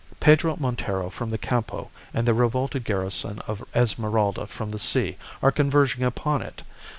Pedro Montero from the Campo and the revolted garrison of Esmeralda from the sea are converging upon it.